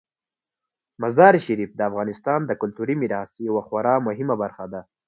مزارشریف د افغانستان د کلتوري میراث یوه خورا مهمه برخه ده.